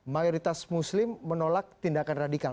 mayoritas muslim menolak tindakan radikal